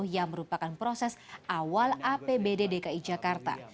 yang merupakan proses awal apbd dki jakarta